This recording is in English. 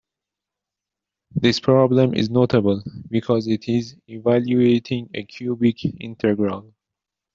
This problem is notable, because it is evaluating a cubic integral.